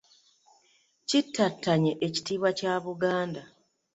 Kittattanye ekitiibwa kya Buganda.